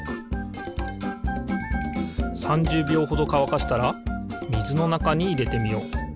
３０びょうほどかわかしたらみずのなかにいれてみよう。